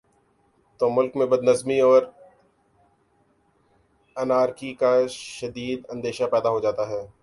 تو ملک میں بد نظمی اور انارکی کا شدید اندیشہ پیدا ہو جاتا ہے